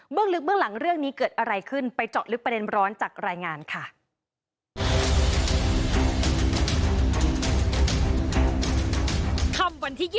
ลึกเบื้องหลังเรื่องนี้เกิดอะไรขึ้นไปเจาะลึกประเด็นร้อนจากรายงานค่ะ